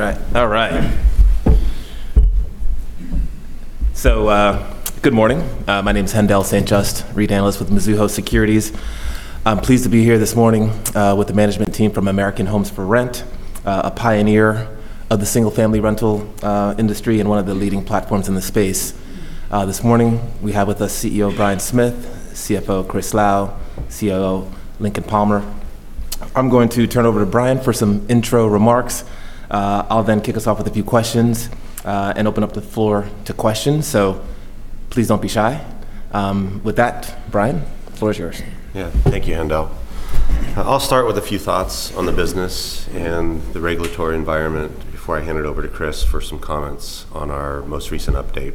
All right. Good morning. My name is Haendel St. Juste, REIT Analyst with Mizuho Securities. I'm pleased to be here this morning with the management team from American Homes 4 Rent, a pioneer of the single-family rental industry and one of the leading platforms in the space. This morning, we have with us CEO Bryan Smith, CFO Chris Lau, COO Lincoln Palmer. I'm going to turn it over to Bryan for some intro remarks. I'll kick us off with a few questions and open up the floor to questions. Please don't be shy. With that, Bryan, the floor is yours. Yeah. Thank you, Haendel. I'll start with a few thoughts on the business and the regulatory environment before I hand it over to Chris for some comments on our most recent update.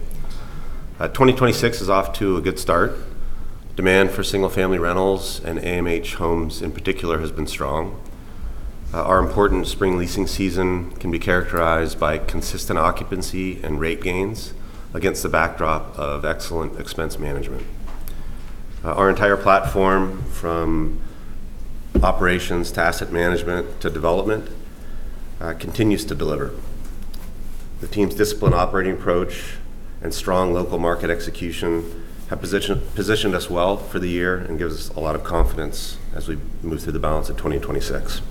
2026 is off to a good start. Demand for single-family rentals and AMH homes in particular has been strong. Our important spring leasing season can be characterized by consistent occupancy and rate gains against the backdrop of excellent expense management. Our entire platform, from operations to asset management to development, continues to deliver. The team's disciplined operating approach and strong local market execution have positioned us well for the year and gives us a lot of confidence as we move through the balance of 2026.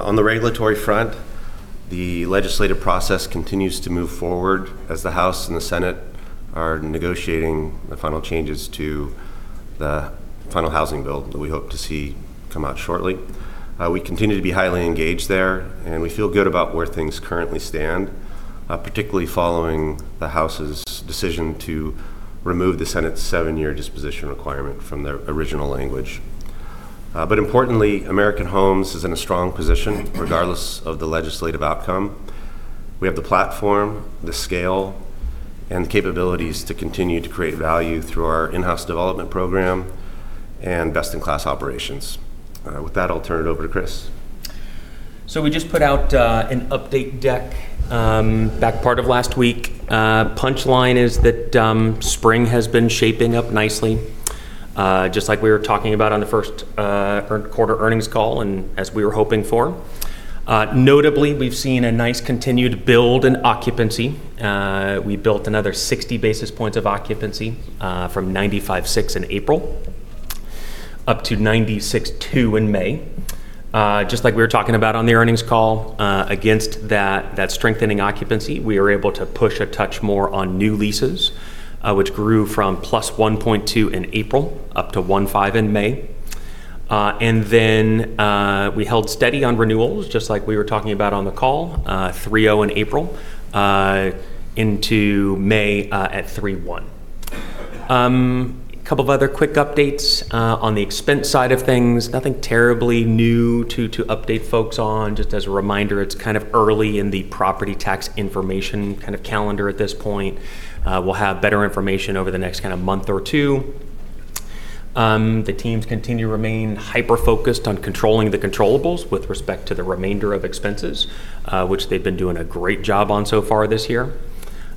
On the regulatory front, the legislative process continues to move forward as the House and the Senate are negotiating the final changes to the final housing bill that we hope to see come out shortly. We continue to be highly engaged there, and we feel good about where things currently stand. Particularly following the House's decision to remove the Senate's seven-year disposition requirement from their original language. Importantly, American Homes is in a strong position regardless of the legislative outcome. We have the platform, the scale, and the capabilities to continue to create value through our in-house development program and best-in-class operations. With that, I'll turn it over to Chris. We just put out an update deck back part of last week. Punchline is that spring has been shaping up nicely, just like we were talking about on the first quarter earnings call and as we were hoping for. Notably, we've seen a nice continued build in occupancy. We built another 60 basis points of occupancy from 956 in April up to 962 in May. Just like we were talking about on the earnings call, against that strengthening occupancy, we are able to push a touch more on new leases which grew from +1.2 in April up to 1.5 in May. We held steady on renewals, just like we were talking about on the call, 3.0 in April into May at 3.1. A couple of other quick updates on the expense side of things. Nothing terribly new to update folks on. Just as a reminder, it's kind of early in the property tax information kind of calendar at this point. We'll have better information over the next kind of month or two. The teams continue to remain hyper-focused on controlling the controllables with respect to the remainder of expenses, which they've been doing a great job on so far this year.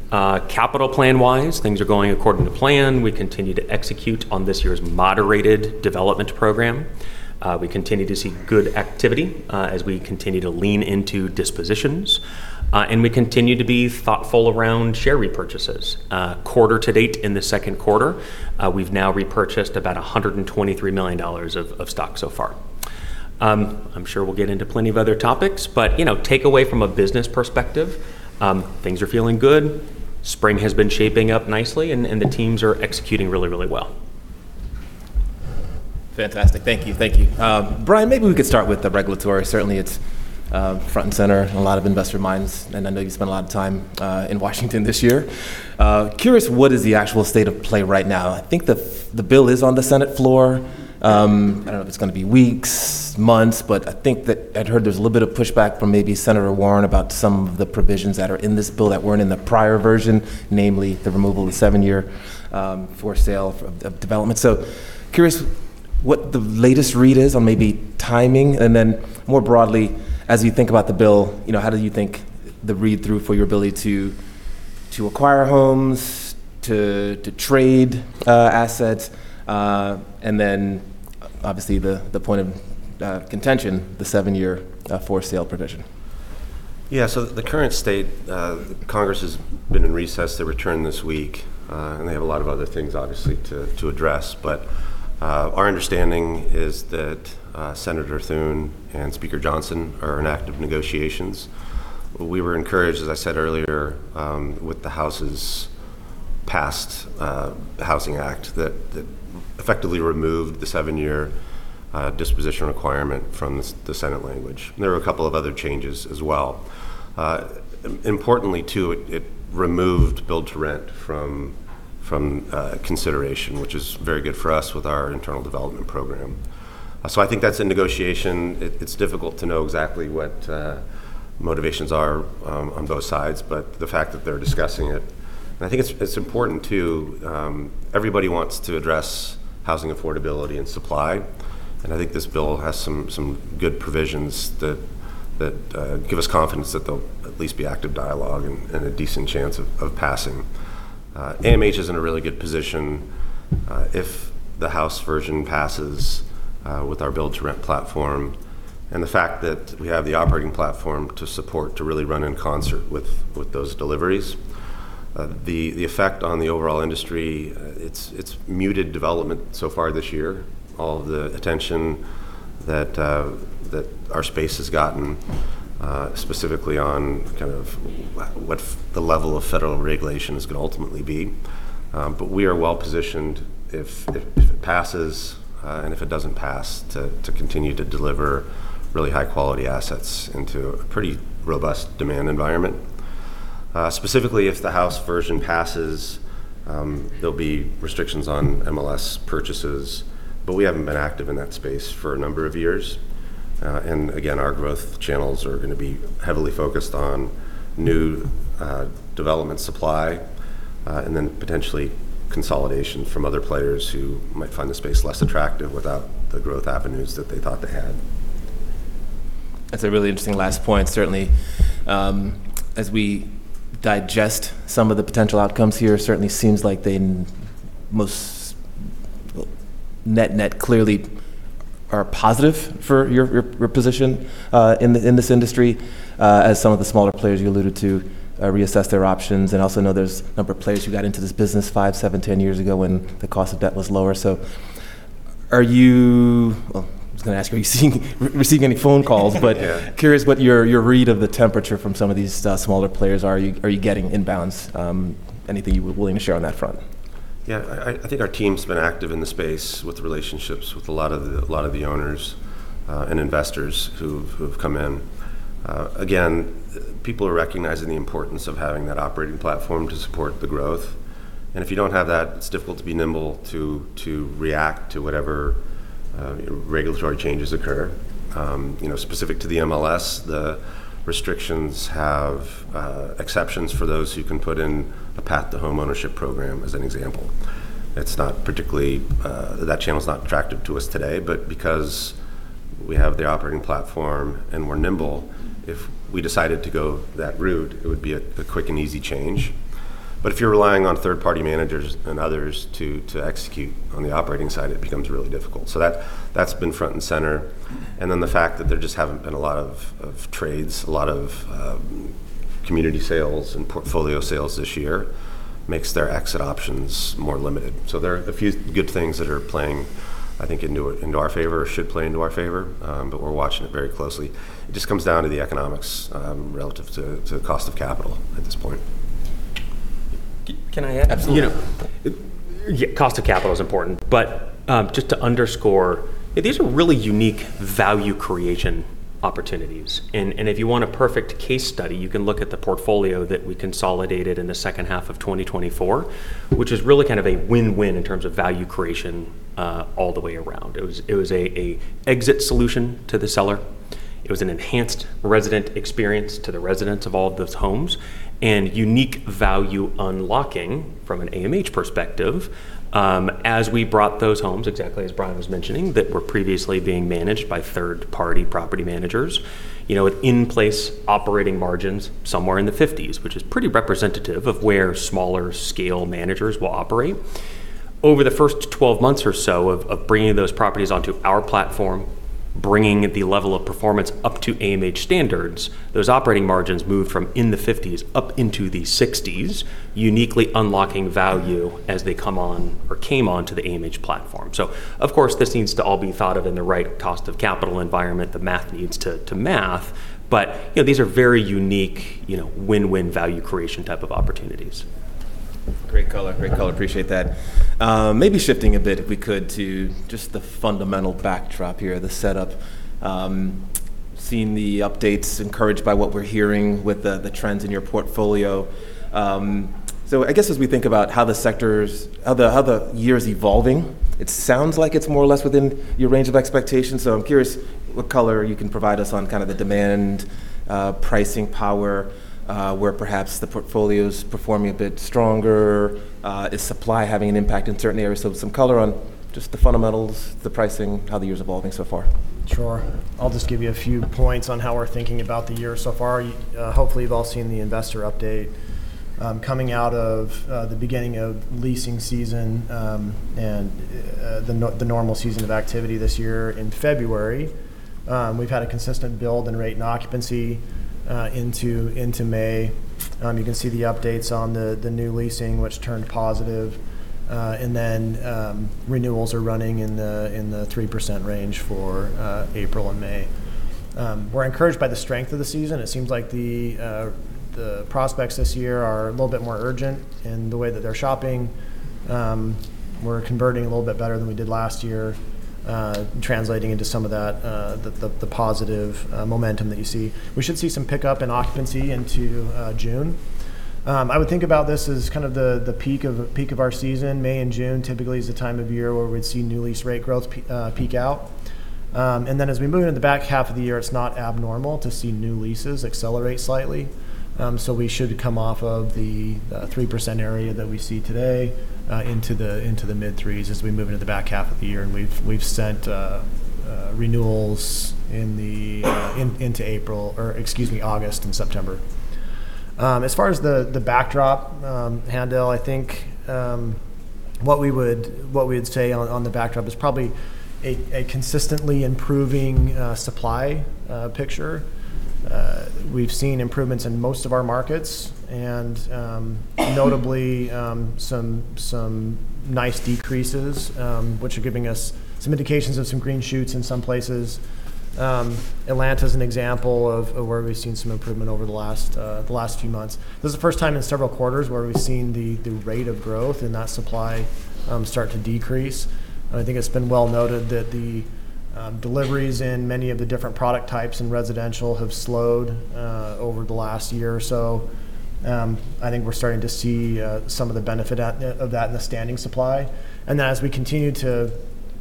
Capital plan-wise, things are going according to plan. We continue to execute on this year's moderated development program. We continue to see good activity as we continue to lean into dispositions. We continue to be thoughtful around share repurchases. Quarter to date in the second quarter, we've now repurchased about $123 million of stock so far. I'm sure we'll get into plenty of other topics, but take away from a business perspective, things are feeling good. Spring has been shaping up nicely, and the teams are executing really, really well. Fantastic. Thank you. Bryan, maybe we could start with the regulatory. Certainly, it's front and center in a lot of investor minds, and I know you spent a lot of time in Washington this year. Curious, what is the actual state of play right now? I think the bill is on the Senate floor. I don't know if it's going to be weeks, months, but I think that I'd heard there's a little bit of pushback from maybe Elizabeth Warren about some of the provisions that are in this bill that weren't in the prior version, namely the removal of the seven-year for sale of development. Curious what the latest read is on maybe timing, and then more broadly, as you think about the bill, how do you think the read-through for your ability to acquire homes, to trade assets, and then obviously the point of contention, the seven-year for sale provision? Yeah. The current state, Congress has been in recess. They return this week. They have a lot of other things, obviously, to address. Our understanding is that John Thune and Mike Johnson are in active negotiations. We were encouraged, as I said earlier, with the House's passed housing act that effectively removed the seven-year disposition requirement from the Senate language. There were a couple of other changes as well. Importantly, too, it removed build-to-rent from consideration, which is very good for us with our internal development program. I think that's in negotiation. It's difficult to know exactly what motivations are on both sides. The fact that they're discussing it. I think it's important, too. Everybody wants to address housing affordability and supply. I think this bill has some good provisions that give us confidence that there'll at least be active dialogue and a decent chance of passing. AMH is in a really good position if the House version passes with our build-to-rent platform, and the fact that we have the operating platform to support to really run in concert with those deliveries. The effect on the overall industry, it's muted development so far this year. All of the attention that our space has gotten, specifically on what the level of federal regulations could ultimately be. We are well-positioned if it passes, and if it doesn't pass, to continue to deliver really high-quality assets into a pretty robust demand environment. Specifically, if the House version passes, there'll be restrictions on MLS purchases. We haven't been active in that space for a number of years. Again, our growth channels are going to be heavily focused on new development supply, and then potentially consolidation from other players who might find the space less attractive without the growth avenues that they thought they had. That's a really interesting last point. Certainly, as we digest some of the potential outcomes here, certainly seems like they most net net clearly are positive for your position in this industry as some of the smaller players you alluded to reassess their options. Also know there's a number of players who got into this business five, seven, 10 years ago when the cost of debt was lower. Well, I was going to ask, are you receiving any phone calls? Yeah curious what your read of the temperature from some of these smaller players are? Are you getting inbounds? Anything you were willing to share on that front? Yeah. I think our team's been active in the space with relationships with a lot of the owners, and investors who've come in. Again, people are recognizing the importance of having that operating platform to support the growth. If you don't have that, it's difficult to be nimble to react to whatever regulatory changes occur. Specific to the MLS, the restrictions have exceptions for those who can put in a path to homeownership program as an example. That channel's not attractive to us today, because we have the operating platform and we're nimble, if we decided to go that route, it would be a quick and easy change. If you're relying on third-party managers and others to execute on the operating side, it becomes really difficult. That's been front and center. The fact that there just haven't been a lot of trades, a lot of community sales and portfolio sales this year makes their exit options more limited. There are a few good things that are playing, I think, into our favor, or should play into our favor, but we're watching it very closely. It just comes down to the economics, relative to cost of capital at this point. Can I add? Absolutely. Yeah. Cost of capital is important, but just to underscore, these are really unique value creation opportunities. If you want a perfect case study, you can look at the portfolio that we consolidated in the second half of 2024, which is really kind of a win-win in terms of value creation all the way around. It was an exit solution to the seller. It was an enhanced resident experience to the residents of all of those homes, and unique value unlocking from an AMH perspective, as we brought those homes, exactly as Bryan was mentioning, that were previously being managed by third-party property managers. With in-place operating margins somewhere in the 50s, which is pretty representative of where smaller scale managers will operate. Over the first 12 months or so of bringing those properties onto our platform, bringing the level of performance up to AMH standards, those operating margins moved from in the 50s up into the 60s, uniquely unlocking value as they come on or came onto the AMH platform. Of course, this needs to all be thought of in the right cost of capital environment. The math needs to math. These are very unique, win-win value creation type of opportunities. Great color. Appreciate that. Maybe shifting a bit, if we could, to just the fundamental backdrop here, the setup. Seeing the updates, encouraged by what we're hearing with the trends in your portfolio. I guess as we think about how the year's evolving, it sounds like it's more or less within your range of expectations. I'm curious what color you can provide us on kind of the demand, pricing power, where perhaps the portfolio's performing a bit stronger. Is supply having an impact in certain areas? Some color on just the fundamentals, the pricing, how the year's evolving so far. Sure. I'll just give you a few points on how we're thinking about the year so far. Hopefully, you've all seen the investor update. Coming out of the beginning of leasing season, and the normal season of activity this year in February. We've had a consistent build in rate and occupancy into May. You can see the updates on the new leasing, which turned positive. Renewals are running in the 3% range for April and May. We're encouraged by the strength of the season. It seems like the prospects this year are a little bit more urgent in the way that they're shopping. We're converting a little bit better than we did last year, translating into some of the positive momentum that you see. We should see some pickup in occupancy into June. I would think about this as kind of the peak of our season. May and June typically is the time of year where we'd see new lease rate growth peak out. As we move into the back half of the year, it's not abnormal to see new leases accelerate slightly. We should come off of the 3% area that we see today into the mid-threes as we move into the back half of the year, and we've sent renewals into April, or excuse me, August and September. As far as the backdrop, Haendel, what we would say on the backdrop is probably a consistently improving supply picture. We've seen improvements in most of our markets, and notably, some nice decreases, which are giving us some indications of some green shoots in some places. Atlanta's an example of where we've seen some improvement over the last few months. This is the first time in several quarters where we've seen the rate of growth in that supply start to decrease. I think it's been well noted that the deliveries in many of the different product types in residential have slowed over the last year or so. I think we're starting to see some of the benefit of that in the standing supply, and that as we continue to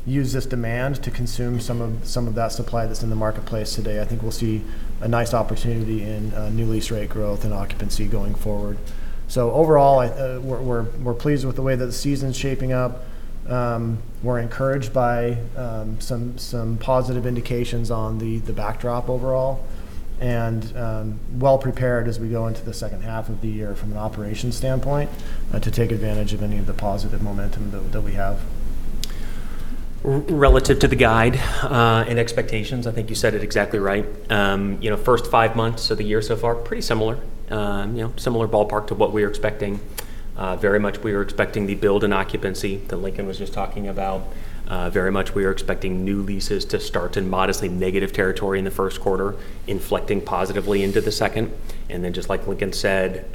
use this demand to consume some of that supply that's in the marketplace today, I think we'll see a nice opportunity in new lease rate growth and occupancy going forward. Overall, we're pleased with the way that the season's shaping up. We're encouraged by some positive indications on the backdrop overall, and well prepared as we go into the second half of the year from an operations standpoint to take advantage of any of the positive momentum that we have. Relative to the guide and expectations, I think you said it exactly right. First five months of the year so far, pretty similar ballpark to what we are expecting. Very much we are expecting the build and occupancy that Lincoln was just talking about. Very much we are expecting new leases to start in modestly negative territory in the first quarter, inflecting positively into the second. Just like Lincoln said,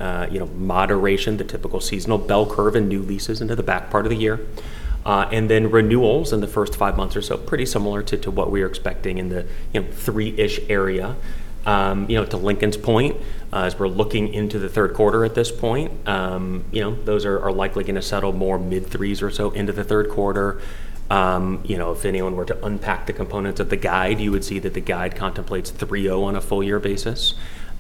moderation, the typical seasonal bell curve in new leases into the back part of the year. Renewals in the first five months or so, pretty similar to what we are expecting in the three-ish area. To Lincoln's point, as we're looking into the third quarter at this point, those are likely going to settle more mid-threes or so into the third quarter. If anyone were to unpack the components of the guide, you would see that the guide contemplates 3.0 on a full year basis.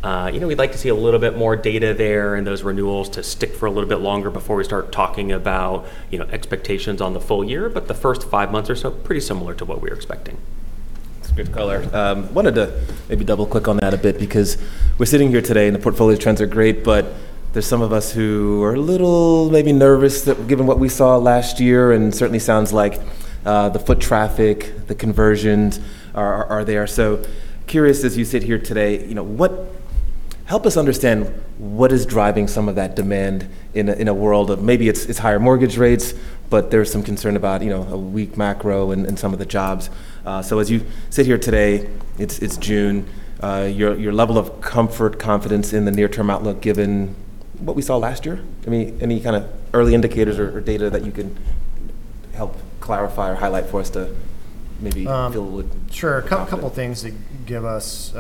We'd like to see a little bit more data there and those renewals to stick for a little bit longer before we start talking about expectations on the full year. The first five months or so, pretty similar to what we are expecting. That's good color. Wanted to maybe double-click on that a bit because we're sitting here today and the portfolio trends are great, but there's some of us who are a little maybe nervous that given what we saw last year, and certainly sounds like the foot traffic, the conversions are there. Curious, as you sit here today, help us understand what is driving some of that demand in a world of maybe it's higher mortgage rates, but there's some concern about a weak macro and some of the jobs? As you sit here today, it's June. Your level of comfort, confidence in the near-term outlook given what we saw last year, any kind of early indicators or data that you can help clarify or highlight for us to maybe fill a little bit? Sure. A couple of things that give us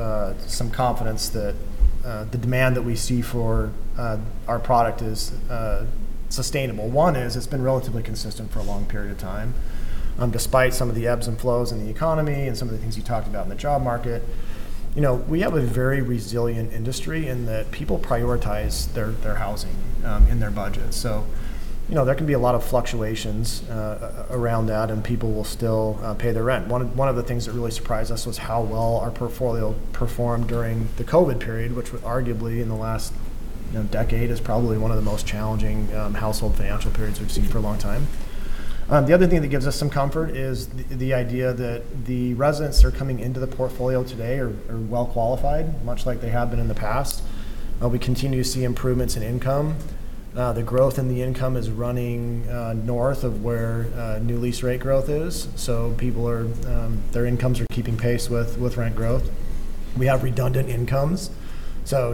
some confidence that the demand that we see for our product is sustainable. One is it's been relatively consistent for a long period of time. Despite some of the ebbs and flows in the economy and some of the things you talked about in the job market. We have a very resilient industry in that people prioritize their housing in their budget. There can be a lot of fluctuations around that, and people will still pay their rent. One of the things that really surprised us was how well our portfolio performed during the COVID period, which arguably in the last decade is probably one of the most challenging household financial periods we've seen for a long time. The other thing that gives us some comfort is the idea that the residents that are coming into the portfolio today are well-qualified, much like they have been in the past. We continue to see improvements in income. The growth in the income is running north of where new lease rate growth is, so their incomes are keeping pace with rent growth. We have redundant incomes.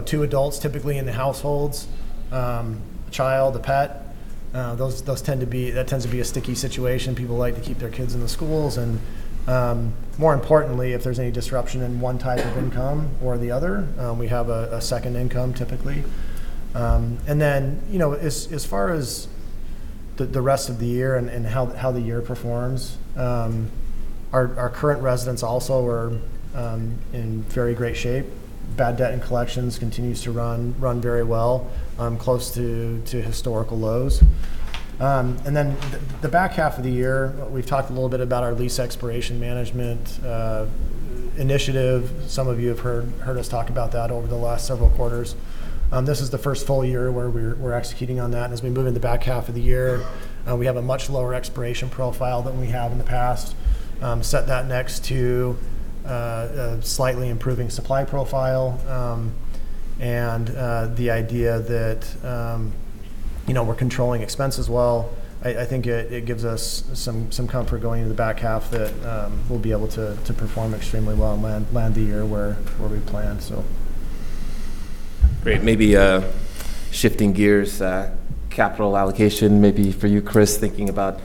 Two adults, typically in the households. A child, a pet. That tends to be a sticky situation. People like to keep their kids in the schools and, more importantly, if there's any disruption in one type of income or the other, we have a second income typically. Then, as far as the rest of the year and how the year performs, our current residents also are in very great shape. Bad debt and collections continues to run very well, close to historical lows. Then the back half of the year, we've talked a little bit about our lease expiration management initiative. Some of you have heard us talk about that over the last several quarters. This is the first full year where we're executing on that. As we move in the back half of the year, we have a much lower expiration profile than we have in the past. Set that next to a slightly improving supply profile, and the idea that we're controlling expenses well. I think it gives us some comfort going into the back half that we'll be able to perform extremely well and land the year where we plan. Great. Shifting gears, capital allocation maybe for you, Chris, thinking about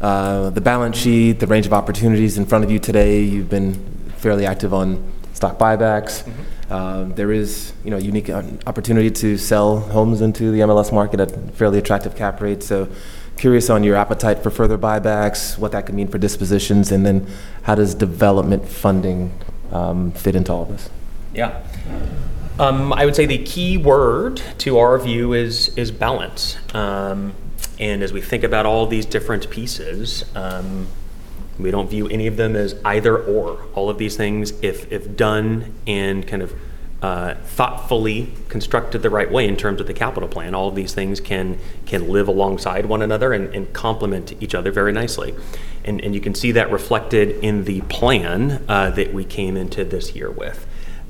the balance sheet, the range of opportunities in front of you today. You've been fairly active on stock buybacks. There is unique opportunity to sell homes into the MLS market at fairly attractive cap rates. Curious on your appetite for further buybacks, what that could mean for dispositions, and then how does development funding fit into all this? Yeah. I would say the key word to our view is balance. As we think about all these different pieces. We don't view any of them as either or. All of these things, if done in kind of thoughtfully constructed the right way in terms of the capital plan, all of these things can live alongside one another and complement each other very nicely. You can see that reflected in the plan that we came into this year with.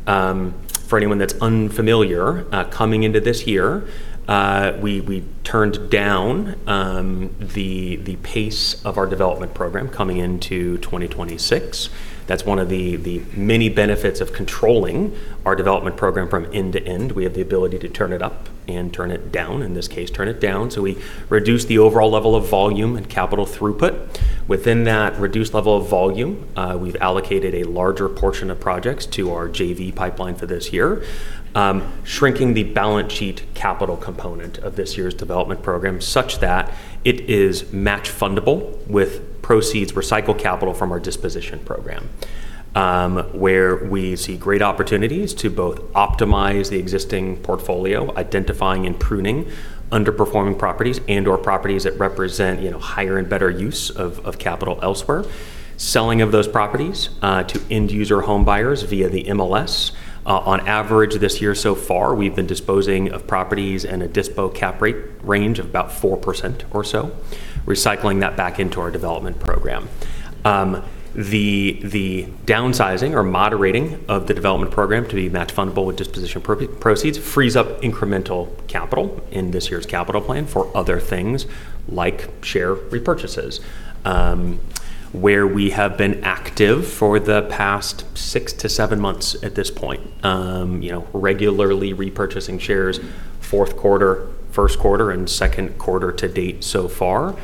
For anyone that's unfamiliar, coming into this year, we turned down the pace of our development program coming into 2026. That's one of the many benefits of controlling our development program from end to end. We have the ability to turn it up and turn it down. In this case, we turn it down. We reduced the overall level of volume and capital throughput. Within that reduced level of volume, we've allocated a larger portion of projects to our JV pipeline for this year, shrinking the balance sheet capital component of this year's development program such that it is match fundable with proceeds recycled capital from our disposition program, where we see great opportunities to both optimize the existing portfolio, identifying and pruning underperforming properties and/or properties that represent higher and better use of capital elsewhere. Selling of those properties to end user home buyers via the MLS. On average this year so far, we've been disposing of properties and a disposition cap rate range of about 4% or so, recycling that back into our development program. The downsizing or moderating of the development program to be match fundable with disposition proceeds frees up incremental capital in this year's capital plan for other things like share repurchases, where we have been active for the past six to seven months at this point. Regularly repurchasing shares fourth quarter, first quarter, and second quarter to date so far.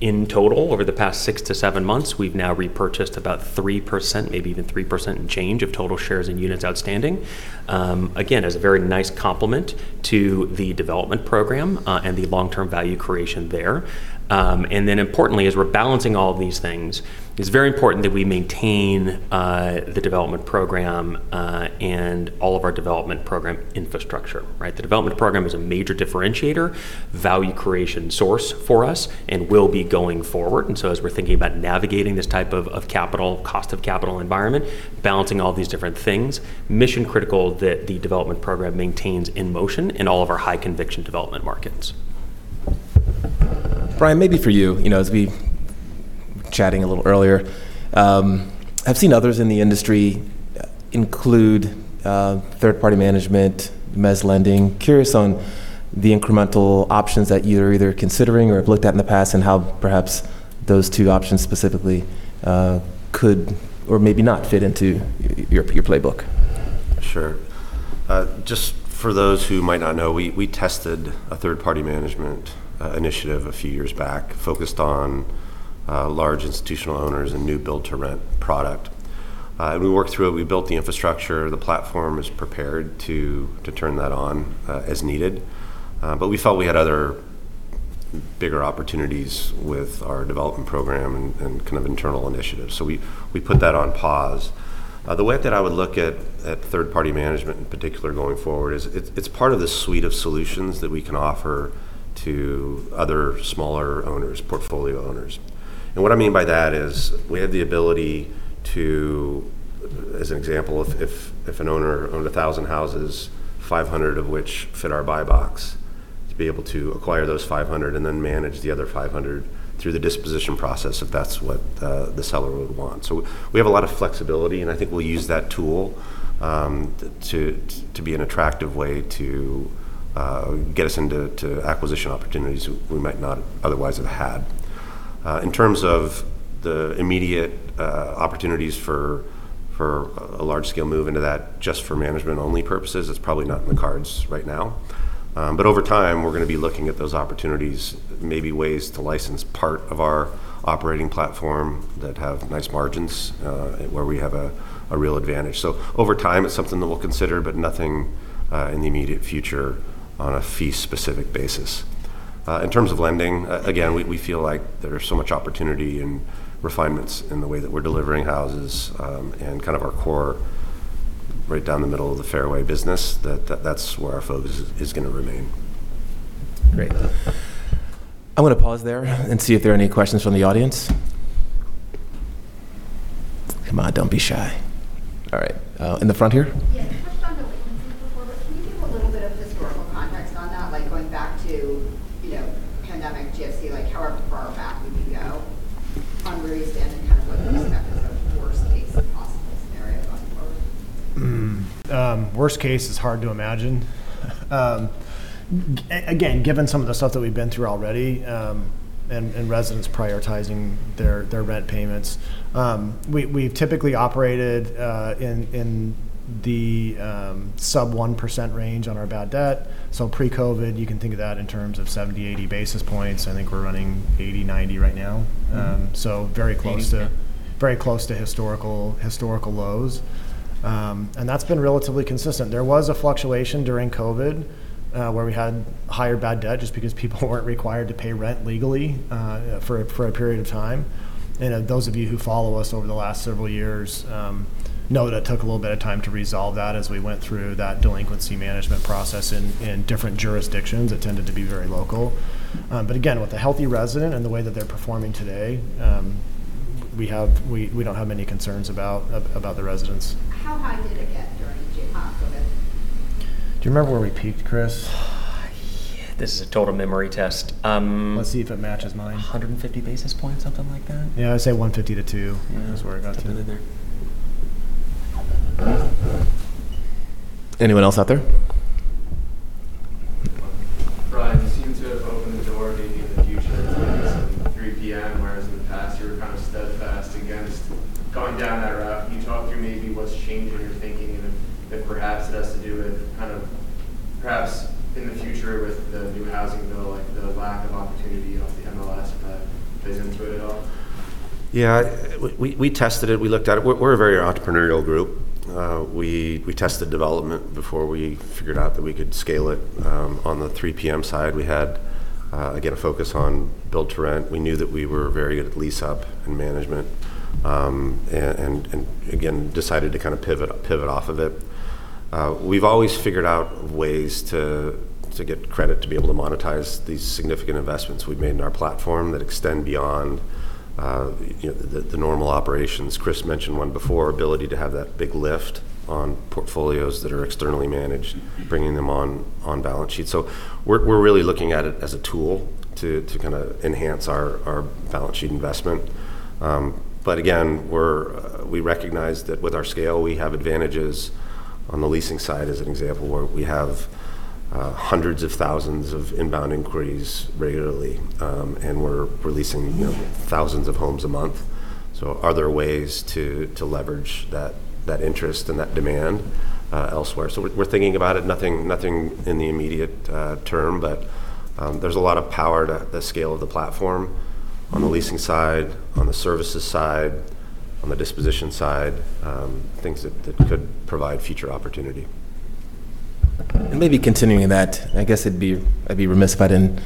In total, over the past six to seven months, we've now repurchased about 3%, maybe even 3% and change of total shares and units outstanding. As a very nice complement to the development program, and the long-term value creation there. Importantly, as we're balancing all of these things, it's very important that we maintain the development program, and all of our development program infrastructure. Right? The development program is a major differentiator, value creation source for us, and will be going forward. As we're thinking about navigating this type of capital, cost of capital environment, balancing all these different things, mission-critical that the development program maintains in motion in all of our high conviction development markets. Bryan, maybe for you, as we chatting a little earlier, I've seen others in the industry include third-party management, mezz lending. Curious on the incremental options that you're either considering or have looked at in the past and how perhaps those two options specifically could or maybe not fit into your playbook. Sure. Just for those who might not know, we tested a Third-Party Management initiative a few years back focused on large institutional owners and new build-to-rent product. We worked through it. We built the infrastructure. The platform is prepared to turn that on as needed. We felt we had other bigger opportunities with our development program and kind of internal initiatives. We put that on pause. The way that I would look at Third-Party Management in particular going forward is it's part of the suite of solutions that we can offer to other smaller owners, portfolio owners. What I mean by that is we have the ability to, as an example, if an owner owned 1,000 houses, 500 of which fit our buy box, to be able to acquire those 500 and then manage the other 500 through the disposition process if that's what the seller would want. We have a lot of flexibility, and I think we'll use that tool to be an attractive way to get us into acquisition opportunities we might not otherwise have had. In terms of the immediate opportunities for a large-scale move into that just for management-only purposes, it's probably not in the cards right now. Over time, we're going to be looking at those opportunities, maybe ways to license part of our operating platform that have nice margins, where we have a real advantage. Over time, it's something that we'll consider, but nothing in the immediate future on a fee specific basis. In terms of lending, again, we feel like there's so much opportunity and refinements in the way that we're delivering houses, and kind of our core right down the middle of the fairway business that's where our focus is going to remain. Great. I'm going to pause there and see if there are any questions from the audience. Come on, don't be shy. All right, in the front here. Yeah. You touched on delinquencies before, but can you give a little bit of historical context on that, like going back to pandemic, GFC, like however far back we can go from where you stand and kind of what you expect as a worst case possible scenario going forward? Worst case is hard to imagine. Again, given some of the stuff that we've been through already, and residents prioritizing their rent payments. We've typically operated in the sub 1% range on our bad debt. Pre-COVID, you can think of that in terms of 70-80 basis points. I think we're running 80-90 right now. Very close to historical lows. That's been relatively consistent. There was a fluctuation during COVID, where we had higher bad debt just because people weren't required to pay rent legally for a period of time. Those of you who follow us over the last several years know that it took a little bit of time to resolve that as we went through that delinquency management process in different jurisdictions. It tended to be very local. Again, with a healthy resident and the way that they're performing today. We don't have many concerns about the residents. How high did it get during COVID? Do you remember where we peaked, Chris? This is a total memory test. Let's see if it matches mine. 150 basis points, something like that? Yeah, I'd say 150 to two. Yeah. That's where I got to. It's been in there. Anyone else out there? Bryan, you seem to have opened the door maybe in the future to at least some 3PM, whereas in the past you were kind of steadfast against going down that route. Can you talk through maybe what's changed in your thinking, and if perhaps it has to do with kind of perhaps in the future with the new housing bill, like the lack of opportunity off the MLS play into it at all? Yeah. We tested it. We looked at it. We're a very entrepreneurial group. We tested development before we figured out that we could scale it. On the 3PM side, we had, again, a focus on build-to-rent. We knew that we were very good at lease-up and management. Again, decided to kind of pivot off of it. We've always figured out ways to get credit to be able to monetize these significant investments we've made in our platform that extend beyond the normal operations. Chris mentioned one before, ability to have that big lift on portfolios that are externally managed, bringing them on balance sheet. We're really looking at it as a tool to kind of enhance our balance sheet investment. Again, we recognize that with our scale, we have advantages on the leasing side as an example, where we have hundreds of thousands of inbound inquiries regularly. We're releasing thousands of homes a month. Are there ways to leverage that interest and that demand elsewhere? We're thinking about it. Nothing in the immediate term, but there's a lot of power to the scale of the platform on the leasing side, on the services side, on the disposition side things that could provide future opportunity. Maybe continuing that, I guess I'd be remiss if I didn't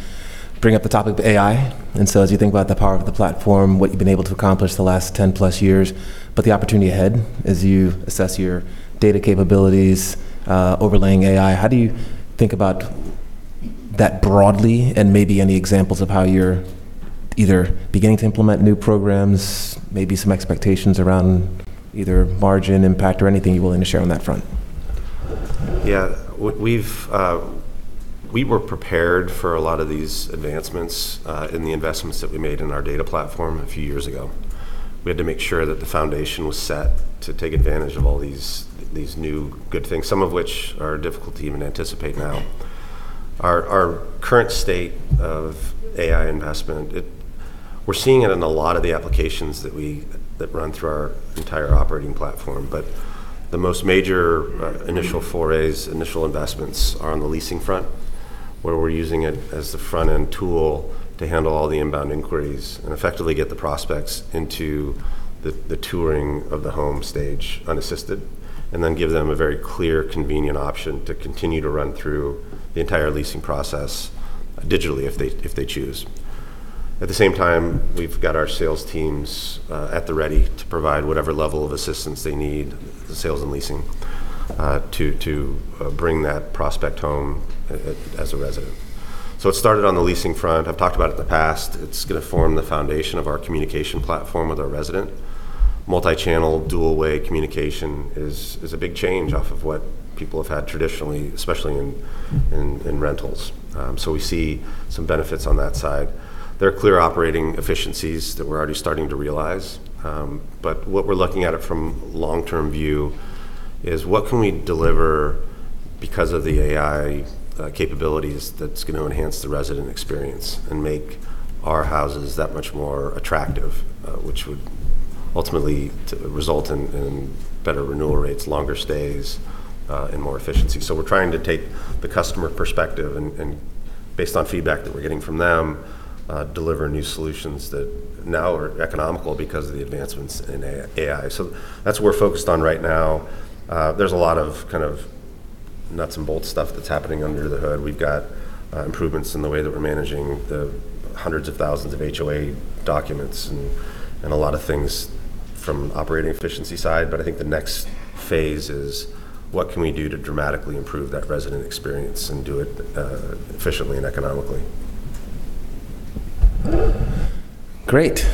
bring up the topic of AI. As you think about the power of the platform, what you've been able to accomplish the last 10 plus years, but the opportunity ahead as you assess your data capabilities overlaying AI, how do you think about that broadly and maybe any examples of how you're either beginning to implement new programs, maybe some expectations around either margin impact or anything you're willing to share on that front? Yeah. We were prepared for a lot of these advancements in the investments that we made in our data platform a few years ago. We had to make sure that the foundation was set to take advantage of all these new good things, some of which are difficult to even anticipate now. Our current state of AI investment, we're seeing it in a lot of the applications that run through our entire operating platform. The most major initial forays, initial investments are on the leasing front, where we're using it as the front-end tool to handle all the inbound inquiries and effectively get the prospects into the touring of the home stage unassisted, and then give them a very clear, convenient option to continue to run through the entire leasing process digitally if they choose. At the same time, we've got our sales teams at the ready to provide whatever level of assistance they need, the sales and leasing to bring that prospect home as a resident. It started on the leasing front. I've talked about it in the past. It's going to form the foundation of our communication platform with our resident. Multichannel dual way communication is a big change off of what people have had traditionally, especially in rentals. We see some benefits on that side. There are clear operating efficiencies that we're already starting to realize. What we're looking at it from long-term view is what can we deliver because of the AI capabilities that's going to enhance the resident experience and make our houses that much more attractive, which would ultimately result in better renewal rates, longer stays, and more efficiency. We're trying to take the customer perspective and based on feedback that we're getting from them, deliver new solutions that now are economical because of the advancements in AI. That's what we're focused on right now. There's a lot of kind of nuts and bolts stuff that's happening under the hood. We've got improvements in the way that we're managing the hundreds of thousands of HOA documents and a lot of things from operating efficiency side. I think the next phase is what can we do to dramatically improve that resident experience and do it efficiently and economically. Great.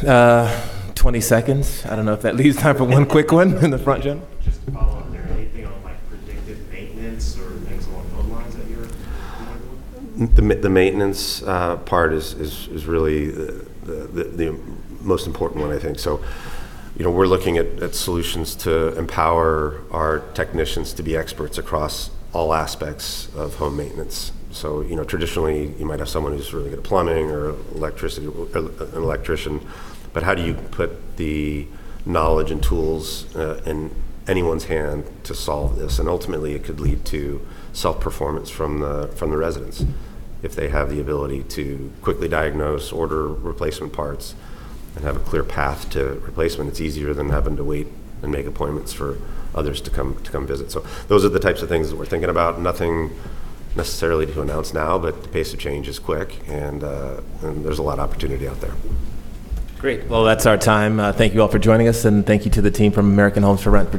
20 seconds. I don't know if that leaves time for one quick one in the front, Jim. Just to follow up there, anything on like predictive maintenance or things along those lines that you're working on? The maintenance part is really the most important one, I think. We're looking at solutions to empower our technicians to be experts across all aspects of home maintenance. Traditionally, you might have someone who's really good at plumbing or an electrician, but how do you put the knowledge and tools in anyone's hand to solve this? Ultimately, it could lead to self-performance from the residents if they have the ability to quickly diagnose, order replacement parts, and have a clear path to replacement. It's easier than having to wait and make appointments for others to come visit. Those are the types of things that we're thinking about. Nothing necessarily to announce now, but the pace of change is quick and there's a lot of opportunity out there. Great. Well, that's our time. Thank you all for joining us, and thank you to the team from American Homes 4 Rent for being.